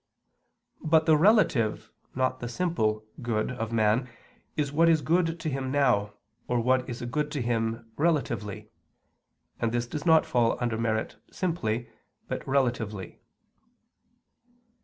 But the relative, not the simple, good of man is what is good to him now, or what is a good to him relatively; and this does not fall under merit simply, but relatively.